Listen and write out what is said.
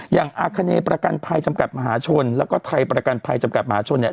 อย่างอาคเนประกันภัยจำกัดมหาชนแล้วก็ไทยประกันภัยจำกัดมหาชนเนี่ย